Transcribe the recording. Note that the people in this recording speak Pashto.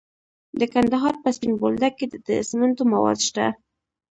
د کندهار په سپین بولدک کې د سمنټو مواد شته.